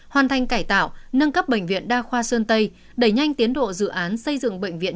hoàn thành cải tạo nâng cấp bệnh viện đa khoa sơn tây đẩy nhanh tiến độ dự án xây dựng bệnh viện